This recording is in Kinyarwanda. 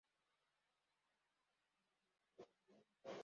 Hano hari abagabo babiri numwana utembera hanze